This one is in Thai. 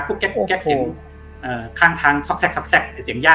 มันก็มีเสียงนกเสียงกา